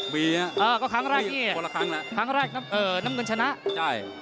มีนะอ่าก็ครั้งแรกนี่คนละครั้งนะครั้งแรกน้ำเงินชนะใช่